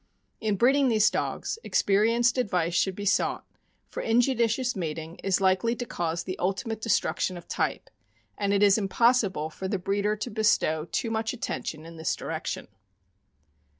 In breeding these dogs, experienced advice should be sought, for injudicious mating is likely to cause the ultimate destruction of type; and it is impossible for the breeder to bestow too much attention in this direc tion.